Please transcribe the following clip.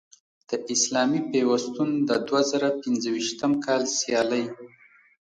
د اسلامي پیوستون د دوه زره پنځویشتم کال سیالۍ